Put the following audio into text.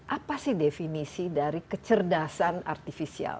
apa sih definisi dari kecerdasan artifisial